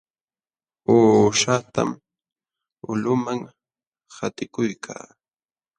Uushatam ulquman qatikuykaa.